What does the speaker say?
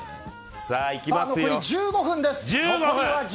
残り１５分です。